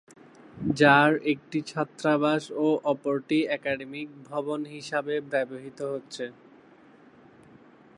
যার একটি ছাত্রাবাস ও অপরটি একাডেমিক ভবন হিসাবে ব্যবহৃত হচ্ছে।